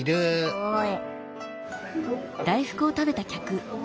すごい。